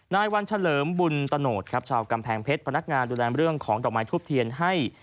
นายวันเฉลิมบุญตะโนธครับชาวกำแพงเพชรพนักงานดูแลเรื่องของดอกไม้ทุบเทียนให้